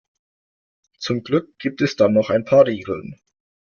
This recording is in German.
Zum Glück gibt es dann doch ein paar Regeln.